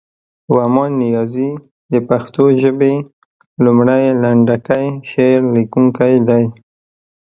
ومان نیازی د پښتو ژبې لومړی، لنډکی شعر لیکونکی دی.